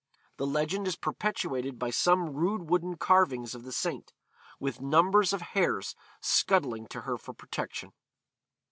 The legend is perpetuated by some rude wooden carvings of the saint, with numbers of hares scuttling to her for protection.'